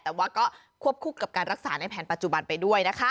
แต่ว่าก็ควบคู่กับการรักษาในแผนปัจจุบันไปด้วยนะคะ